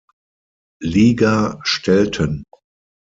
Liga stellten.